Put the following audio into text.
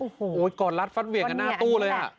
โอ้โหก่อนร้านฟันเวียงกันหน้าตู้เลย